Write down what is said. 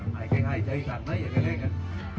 ให้ใครให้ใจจัดนะอย่าแกล้งกัน